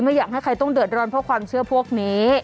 อยากให้ใครต้องเดือดร้อนเพราะความเชื่อพวกนี้